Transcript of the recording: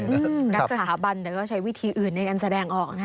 นักสถาบันแต่ก็ใช้วิธีอื่นในการแสดงออกนะ